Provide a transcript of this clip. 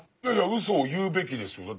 いやいやうそを言うべきですよ。